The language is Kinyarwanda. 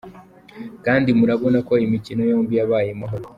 Kandi murabona ko imikino yombi yabaye mu mahoro.”